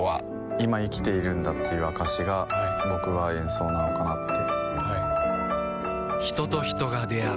今生きているんだっていう証しが僕は演奏なのかなってはい人と人が出会う